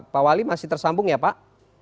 pak wali masih tersambung ya pak